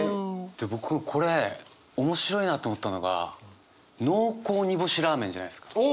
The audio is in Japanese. で僕これ面白いなと思ったのが「濃厚煮干しラーメン」じゃないですか。